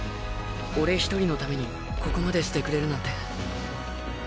オレ一人のためにここまでしてくれるなんて。